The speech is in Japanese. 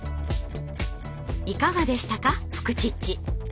いかがでしたか「フクチッチ」。